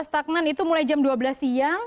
stagnan itu mulai jam dua belas siang